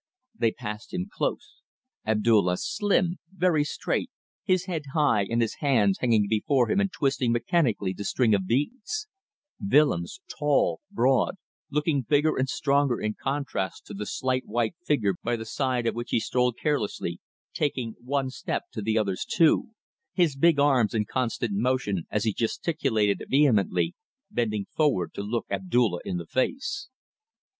They passed him close. Abdulla slim, very straight, his head high, and his hands hanging before him and twisting mechanically the string of beads; Willems tall, broad, looking bigger and stronger in contrast to the slight white figure by the side of which he strolled carelessly, taking one step to the other's two; his big arms in constant motion as he gesticulated vehemently, bending forward to look Abdulla in the face.